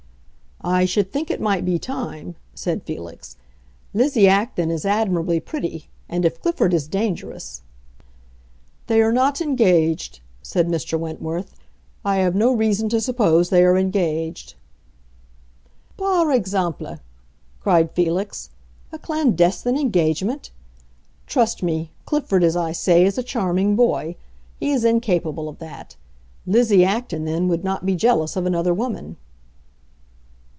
"I should think it might be time," said Felix. "Lizzie Acton is admirably pretty, and if Clifford is dangerous...." "They are not engaged," said Mr. Wentworth. "I have no reason to suppose they are engaged." "Par exemple!" cried Felix. "A clandestine engagement? Trust me, Clifford, as I say, is a charming boy. He is incapable of that. Lizzie Acton, then, would not be jealous of another woman."